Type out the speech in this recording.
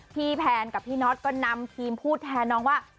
แพนกับพี่น็อตก็นำทีมพูดแทนน้องว่า